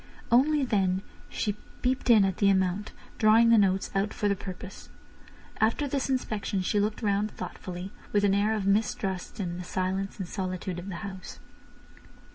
Only then she peeped in at the amount, drawing the notes out for the purpose. After this inspection she looked round thoughtfully, with an air of mistrust in the silence and solitude of the house.